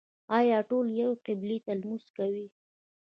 آیا ټول یوې قبلې ته لمونځ کوي؟